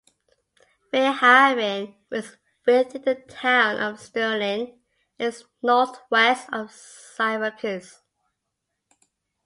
Fair Haven is within the town of Sterling and is northwest of Syracuse.